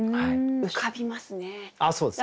浮かびますね。